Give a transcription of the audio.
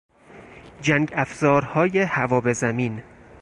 جنگافزارهای هوا به زمین